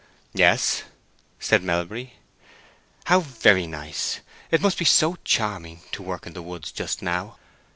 "Yes," said Melbury. "How very nice! It must be so charming to work in the woods just now!"